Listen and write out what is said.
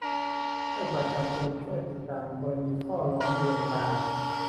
ให้ประชาชนช่วยติดตามกรณีข้อร้องเรียนต่าง